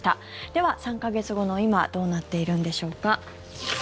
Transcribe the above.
では３か月後の今どうなっているんでしょうか。